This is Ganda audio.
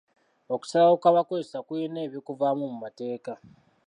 Okusalawo kw'abakozesa kuyina ebikuvaamu mu mateeka.